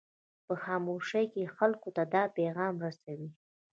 په خاموشۍ کې خلکو ته دا پیغام رسوي.